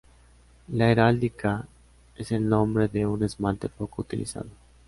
En heráldica es el nombre de un esmalte poco utilizado.